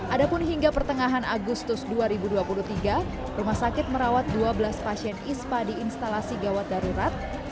adapun hingga pertengahan agustus dua ribu dua puluh tiga rumah sakit merawat dua belas pasien ispa di instalasi gawat darurat